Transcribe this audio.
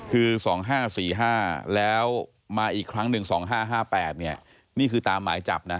คือ๒๕๔๕แล้วมาอีกครั้งหนึ่ง๒๕๕๘เนี่ยนี่คือตามหมายจับนะ